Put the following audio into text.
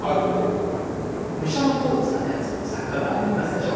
武者小路実篤って作家がいますでしょう。